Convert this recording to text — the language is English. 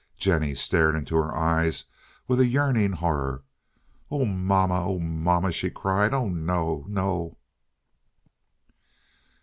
Jennie stared into her eyes with a yearning horror. "Oh, mamma! mamma!" she cried. "Oh no, no!"